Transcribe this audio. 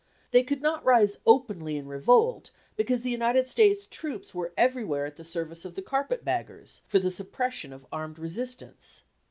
They could not rise openly in revolt because the United States troops were everywhere at the service of the carpet baggers, for the suppression of armed resistance.